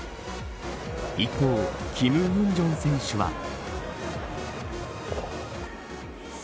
一方、キム・ウンジョン選手は。